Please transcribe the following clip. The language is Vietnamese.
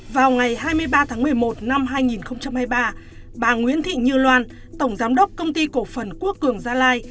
vào ngày hai mươi ba tháng một mươi một năm hai nghìn hai mươi ba bà nguyễn thị như loan tổng giám đốc công ty cổ phần quốc cường gia lai